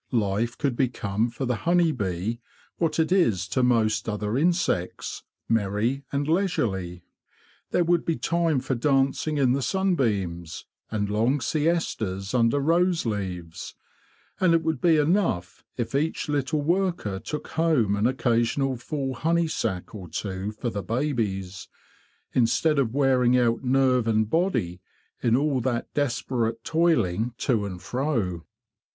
Life could become for the honey bee what it is to most other insects—merry and leisurely. There would be time for dancing in the sunbeams, and long siestas under rose leaves; and it would be enough if each little worker took home an occasional full honey sac or two for the babies, instead of wearing out nerve and body in all that desperate toiling to and fro.